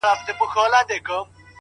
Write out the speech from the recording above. ورځم د خپل نړانده کوره ستا پوړونی راوړم،